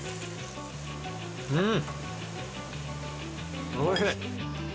うん。